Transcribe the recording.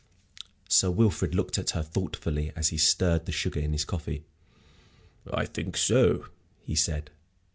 Sir Wilfrid looked at her thoughtfully as he stirred the sugar in his coffee. "I think so," he said.